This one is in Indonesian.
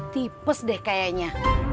tipes deh kayaknya